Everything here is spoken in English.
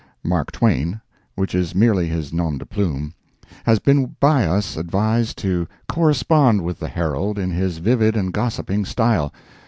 —"Mark Twain,"—which is merely his nom de plume,—has been by us advised to correspond with the HERALD in his vivid and gossipping style.